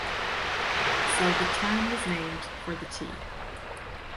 So the town was named for the tea.